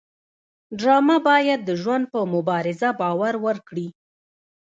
ډرامه باید د ژوند په مبارزه باور ورکړي